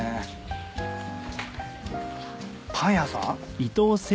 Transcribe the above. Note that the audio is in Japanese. パン屋さん？